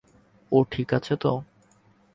ও ঠিক আছে তো?